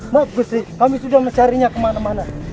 maaf besi kami sudah mencarinya kemana mana